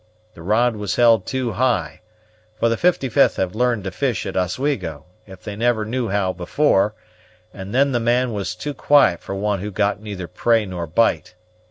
The rod was held too high, for the 55th have learned to fish at Oswego, if they never knew how before; and then the man was too quiet for one who got neither prey nor bite.